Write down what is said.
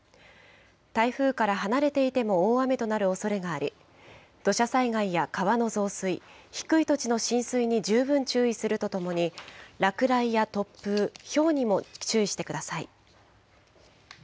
台風から離れていても大雨となるおそれがあり、土砂災害や川の増水、低い土地の浸水に十分注意するとともに、落雷や突風、ひょうにも注意してください。